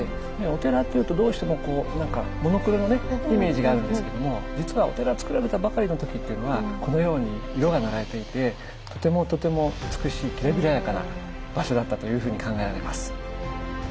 お寺っていうとどうしてもこう何かモノクロのねイメージがあるんですけども実はお寺つくられたばかりの時っていうのはこのように色が塗られていてとてもとても美しいきらびやかな場所だったというふうに考えられます。